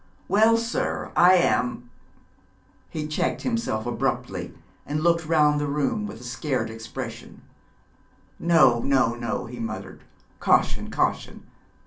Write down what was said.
'Well, sir. I am ' He checked himself abruptly, and looked round the room with a scared expression. 'No, no, no,' he muttered; 'caution, caution!